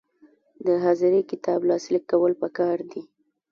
د حاضري کتاب لاسلیک کول پکار دي